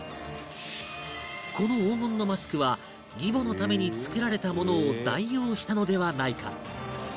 この黄金のマスクは義母のために作られたものを代用したのではないか？